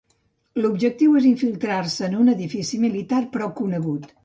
L'objectiu és infiltrar-se en un edifici militar prou conegut.